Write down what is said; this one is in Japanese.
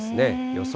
予想